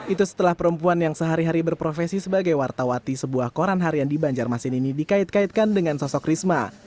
itu setelah perempuan yang sehari hari berprofesi sebagai wartawati sebuah koran harian di banjarmasin ini dikait kaitkan dengan sosok risma